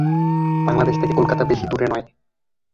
বাংলাদেশ থেকে কলকাতা বেশি দূর নয়।